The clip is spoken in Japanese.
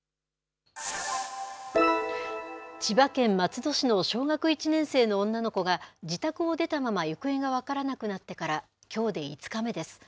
千葉県松戸市の小学１年生の女の子が、自宅を出たまま行方が分からなくなってから、きょうで５日目です。